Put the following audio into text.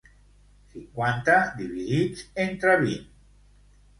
Cinquanta dividits entre vint.